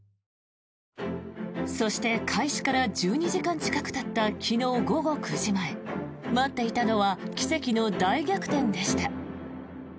そして、開始から１２時間近くたった昨日午後９時前待っていたのは奇跡の大逆転でした。